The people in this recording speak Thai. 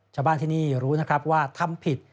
ชาวบ้านที่นี่รู้นะครับว่าทำผิด